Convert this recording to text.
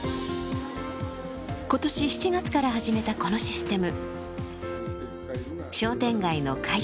今年７月から始めたこのシステム。